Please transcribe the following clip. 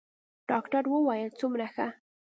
ډاکتر وويل څومره ښه.